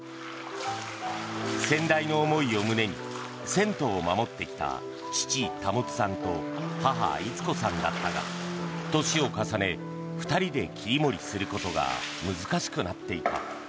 先代の思いを胸に銭湯を守ってきた父・保さんと母・伊都子さんだったが年を重ね２人で切り盛りすることが難しくなっていた。